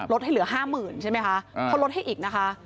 ลดให้เหลือห้าหมื่นใช่ไหมคะเขาลดให้อีกนะคะ